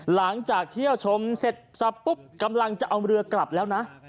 หลังจากเที่ยวชมเสร็จสับปุ๊บกำลังจะเอาเรือกลับแล้วนะ